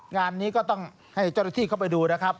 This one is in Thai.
งานนี้ก็ต้องให้เจ้าหน้าที่เข้าไปดูนะครับ